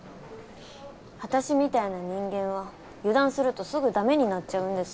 私みたいな人間は油断するとすぐダメになっちゃうんです。